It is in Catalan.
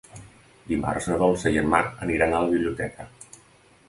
Dimarts na Dolça i en Marc aniran a la biblioteca.